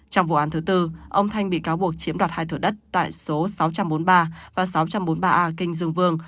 trong vụ án thứ tư ông thanh bị cáo buộc chiếm đoạt hai thửa đất tại số sáu trăm bốn mươi ba và sáu trăm bốn mươi ba a kinh dương vương